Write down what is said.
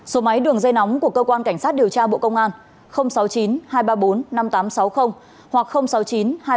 số máy đường dây nóng của cơ quan cảnh sát điều tra bộ công an sáu mươi chín hai trăm ba mươi bốn năm nghìn tám trăm sáu mươi hoặc sáu mươi chín hai trăm ba mươi hai một nghìn sáu trăm